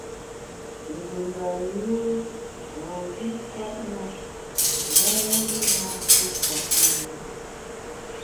Ngùnga yùe na mvi nkwet na, momvi nankù nkwet yire.